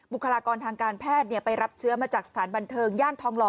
บุคลากรทางการแพทย์ไปรับเชื้อมาจากสถานบันเทิงย่านทองหล่อ